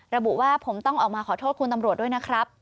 ระบุว่าผมต้องออกมาขอโทษคุณตำรวจด้วยนะครับ